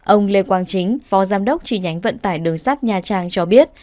ông lê quang chính phó giám đốc tri nhánh vận tải đường sắt nha trang cho biết